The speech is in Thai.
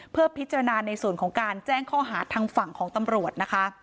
เพื่อพิจารณาในส่วนของการแจ้งข้อหาทางฝั่งของตำรวจนะคะ